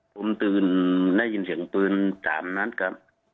ผมตื่นได้ยินเสียงปืน๓นัดครับ